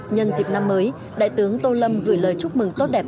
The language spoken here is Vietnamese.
nhân dịp năm mới đại tướng tô lâm gửi lời chúc mừng tốt đẹp